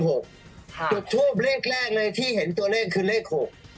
จุดทูบเลขแรกเลยที่เห็นตัวเลขคือเลข๖